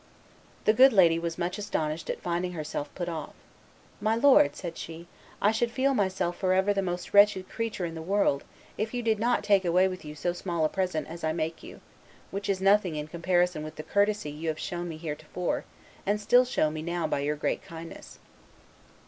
"The good lady was much astounded at finding herself put off. 'My lord,' said she, 'I should feel myself forever the most wretched creature in the world, if you did not take away with you so small a present as I make you, which is nothing in comparison with the courtesy you have shown me heretofore, and still show me now by your great kindness.